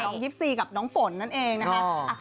น้องยิบซีกับน้องฝนนั่นเองนะฮะ